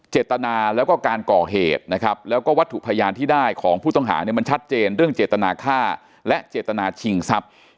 เจตนาแล้วก็การก่อเหตุนะครับแล้วก็วัตถุพยานที่ได้ของผู้ต้องหาเนี่ยมันชัดเจนเรื่องเจตนาค่าและเจตนาชิงทรัพย์